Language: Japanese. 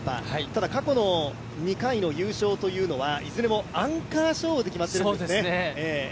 ただ過去の２回の優勝というのはいずれもアンカー勝負で決まってるんですね。